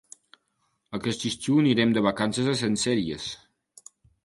Aquest estiu anirem de vacances a Sencelles.